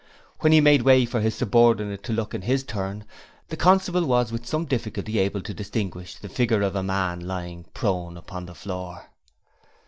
When he made way for his subordinate to look in his turn, the constable was with some difficulty able to distinguish the figure of a man lying prone upon the floor.